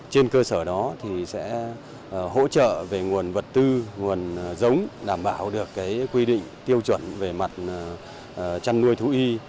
trên cơ sở đó thì sẽ hỗ trợ về nguồn vật tư nguồn giống đảm bảo được quy định tiêu chuẩn về mặt chăn nuôi thú y